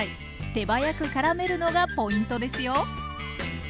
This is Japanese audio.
手早くからめるのがポイントですよ。